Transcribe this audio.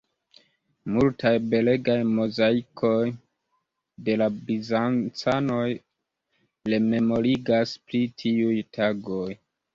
Multaj belegaj mozaikoj de la bizancanoj rememorigas pri tiuj tagoj.